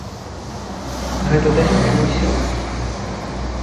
Гэта далёка не ўсё?